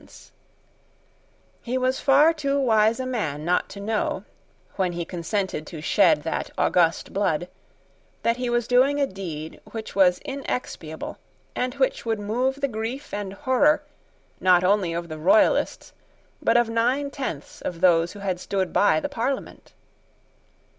He was far too wise a man not to know, when he consented to shed that august blood, that he was doing a deed which was inexpiable, and which would move the grief and horror, not only of the Royalists, but of nine tenths of those who had stood by the Parliament.